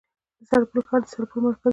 د سرپل ښار د سرپل مرکز دی